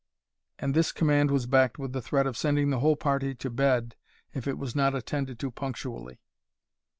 And this command was backed with the threat of sending the whole party to bed if it was not attended to punctually.